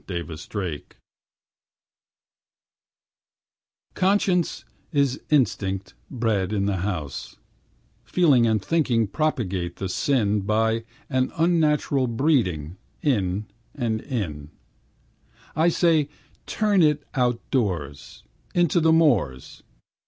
[Conscience] Conscience is instinct bred in the house, Feeling and Thinking propagate the sin By an unnatural breeding in and in. I say, Turn it out doors, Into the moors.